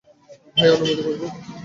By - অনুমতি মঞ্জুর।